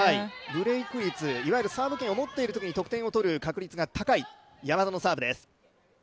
ブレイク率、いわゆるサーブ権を持っているときに得点を取る確率が高い山田のサーブです。